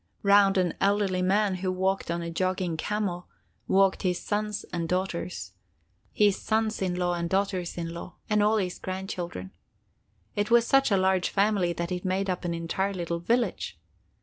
Round an elderly man, who rode on a jogging camel, walked his sons and daughters, his sons in law and daughters in law, and all his grandchildren. It was such a large family that it made up an entire little village.